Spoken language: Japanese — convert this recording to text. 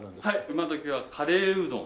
今どきはカレーうどん。